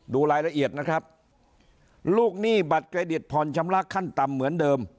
ดูรายละเอียดนะครับลูกหนี้บัตรเครดิตผ่อนชำระขั้นต่ำเหมือนเดิม